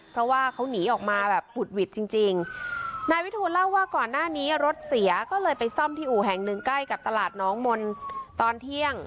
เพราะว่าเขาหนีออกมาแบบอุดหวิดจริงจริงนายวิทูลเล่าว่าก่อนหน้านี้รถเสียก็เลยไปซ่อมที่อู่แห่งหนึ่งใกล้กับตลาดน้องมนต์ตอนเที่ยง